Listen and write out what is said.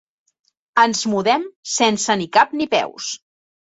Ens mudem sense ni cap ni peus.